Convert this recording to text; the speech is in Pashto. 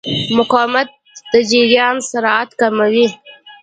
مقاومت د جریان سرعت کموي.